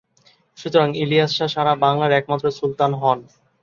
সুতরাং ইলিয়াস শাহ সারা বাংলার একমাত্র সুলতান হন।